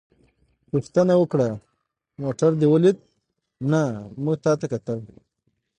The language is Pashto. پوښتنه وکړه: موټر دې ولید؟ نه، موږ تا ته کتل.